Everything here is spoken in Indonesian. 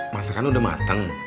masakan udah mateng